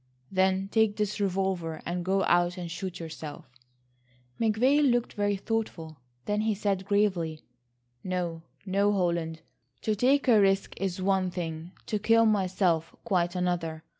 "Then take this revolver and go out and shoot yourself." McVay looked very thoughtful. Then, he said gravely, "No, no, Holland. To take a risk is one thing,—to kill myself quite another.